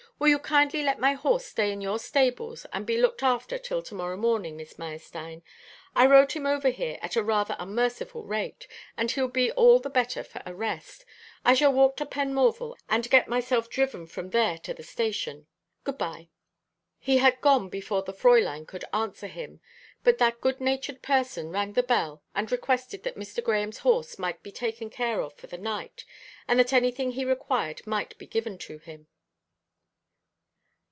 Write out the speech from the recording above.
"Will you kindly let my horse stay in your stables and be looked after till to morrow morning, Miss Meyerstein? I rode him over here at a rather unmerciful rate, and he'll be all the better for a rest. I shall walk to Penmorval, and get myself driven from there to the station. Good bye." He had gone before the Fräulein could answer him; but that good natured person rang the bell and requested that Mr. Grahame's horse might be taken care of for the night, and that anything he required might be given to him.